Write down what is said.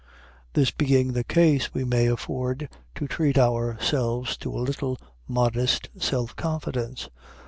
This being the case, we may afford to treat ourselves to a little modest self confidence.